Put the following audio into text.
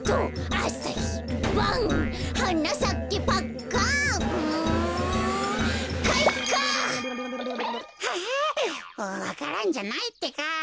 あわか蘭じゃないってか。